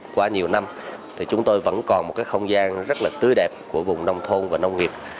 qua nhiều năm thì chúng tôi vẫn còn một cái không gian rất là tươi đẹp của vùng nông thôn và nông nghiệp